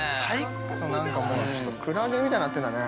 なんかもう、クラゲみたいになってたね。